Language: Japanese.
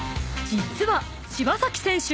［実は柴崎選手